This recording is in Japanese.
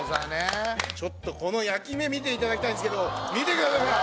ちょっとこの焼き目見て頂きたいんですけど見てくださいほら！